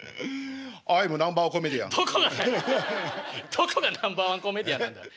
どこがナンバーワンコメディアンなんだよ。